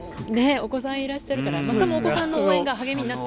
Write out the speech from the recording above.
お子さんいらっしゃるから桝さんもお子さんの応援が励みになって。